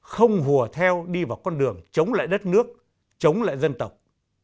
không hùa theo đi vào con đường chống lại đất nước chống lại dân tộc